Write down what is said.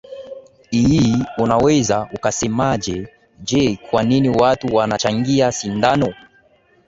i hii unaweza ukasemaje je kwa nini watu wanachangia sindano